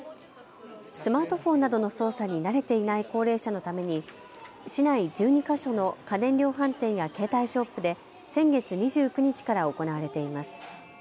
スマートフォンなどの操作に慣れていない高齢者のために市内１２か所の家電量販店や携帯ショップで先月２９日から行われています。